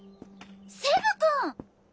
セブ君！